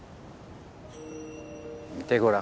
見てごらん。